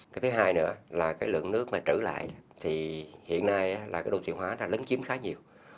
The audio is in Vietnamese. cái thứ hai nữa là lượng nước trữ lại thì hiện nay đồ thị hóa đã lấn chiếm khá nhiều